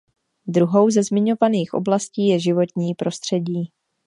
Druhou ze zmiňovaných oblastí je životní prostředí.